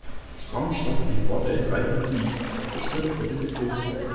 Stramm stand die Horde in Reih' und Glied aufgestellt vor dem Befehlshaber.